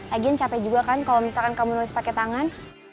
agen capek juga kan kalau misalkan kamu nulis pakai tangan